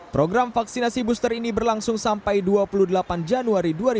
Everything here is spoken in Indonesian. program vaksinasi booster ini berlangsung sampai dua puluh delapan januari dua ribu dua puluh